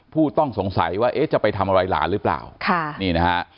ผู้ต้องสงสัยว่าเอ๊ะจะไปทำอะไรหลานหรือเปล่าค่ะนี่นะฮะ